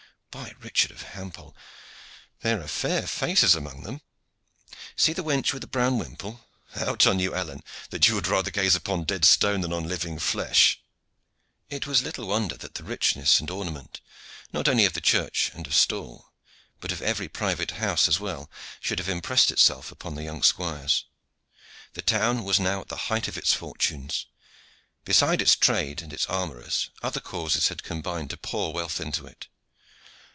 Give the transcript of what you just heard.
By Richard of Hampole! there are fair faces amongst them. See the wench with the brown whimple! Out on you, Alleyne, that you would rather gaze upon dead stone than on living flesh!" It was little wonder that the richness and ornament, not only of church and of stall, but of every private house as well, should have impressed itself upon the young squires. The town was now at the height of its fortunes. Besides its trade and its armorers, other causes had combined to pour wealth into it.